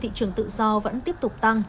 trên thị trường tự do vẫn tiếp tục tăng